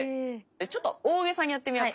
ちょっと大げさにやってみようか。